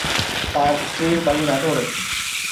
তার স্ত্রীর বাড়ি নাটোরে।